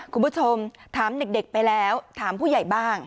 คุณผู้ชมถามเด็กไปแล้วถามผู้ใหญ่บ้าง